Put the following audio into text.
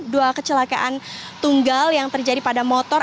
dua kecelakaan tunggal yang terjadi pada motor